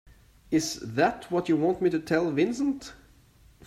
Is that what you want me to tell Vincent?